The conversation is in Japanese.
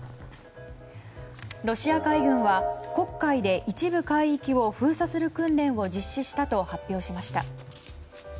ロシア海軍は、黒海で一部海域を封鎖する訓練を実施したと発表しました。